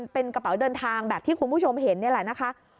เป็นกระเป๋าเดินทางแบบที่คุณผู้ชมเห็นนี่แหละนะคะ